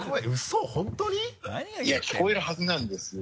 いや聞こえるはずなんですよ。